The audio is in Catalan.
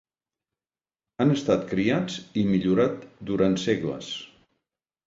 Han estat criats i millorat durant segles.